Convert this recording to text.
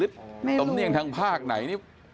ศมเนียงทางภาพไหน